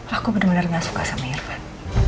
aku bener bener gak suka sama irfan